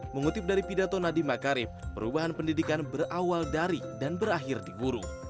mengutip dari pidato nadiem makarim perubahan pendidikan berawal dari dan berakhir di guru